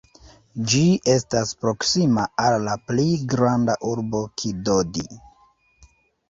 Ĝi estas proksima al la pli granda urbo Kidodi.